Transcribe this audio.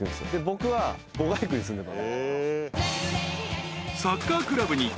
僕は５街区に住んでた。